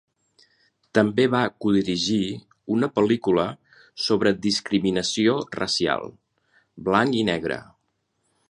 També va codirigir una pel·lícula sobre discriminació racial: "Blanc i negre".